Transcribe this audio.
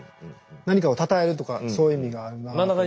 何かをたたえるとかそういう意味があるなあって思って。